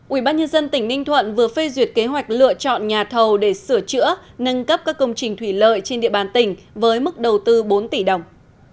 ubnd tỉnh ninh thuận vừa phê duyệt kế hoạch lựa chọn nhà thầu để sửa chữa nâng cấp các công trình thủy lợi trên địa bàn tỉnh với mức đầu tư bốn tỷ đồng